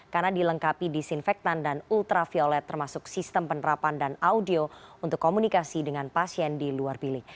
karena dilengkapi disinfektan dan ultraviolet termasuk sistem penerapan dan audio untuk komunikasi dengan pasien di luar bilik